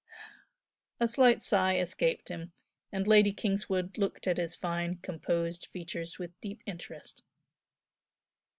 A slight sigh escaped him, and Lady Kingswood looked at his fine, composed features with deep interest.